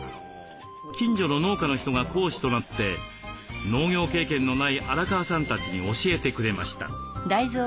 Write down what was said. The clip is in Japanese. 近所の農家の人が講師となって農業経験のない荒川さんたちに教えてくれました。